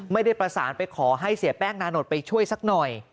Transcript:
ไม่ได้ประสานไปขอให้เสียแป้งนานดไปช่วยสักหน่อย